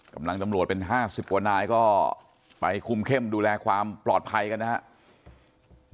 กำลังตำลวดเป็นห้าสิบกว่านายก็ไปคุมเข้มดูแลความปลอดภัยกันนะฮะ